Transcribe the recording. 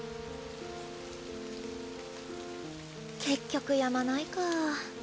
結局やまないか。